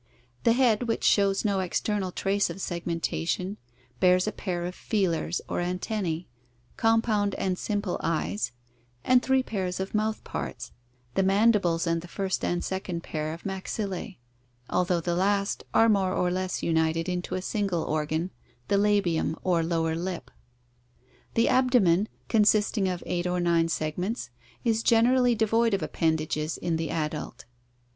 The head, which shows no external trace of segmentation, bears a pair of feelers or antennae, compound and simple eyes, and three pairs of mouth parts — the mandibles and the first and second pair of maxillae — although the last are more or less united into a single organ, the labium or lower lip. The abdomen, consisting of eight or nine segments, is generally devoid of appendages in the adult.